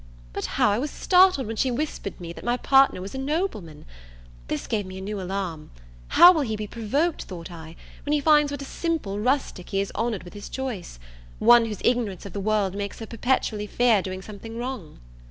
But how I was startled when she whispered me that my partner was a nobleman! This gave me a new alarm: how will he be provoked, thought I, when he finds what a simple rustic he has honoured with his choice! one whose ignorance of the world makes her perpetually fear doing something wrong!